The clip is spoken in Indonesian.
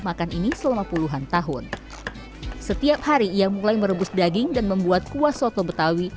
makan ini selama puluhan tahun setiap hari ia mulai merebus daging dan membuat kuah soto betawi